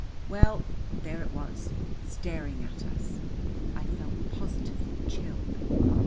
IV Well, there it was staring at us. I felt positively chilled.